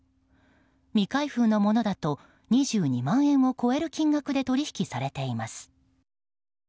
未開封のものだと２２万円を超える金額で取引されています。